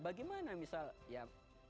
bagaimana misal ya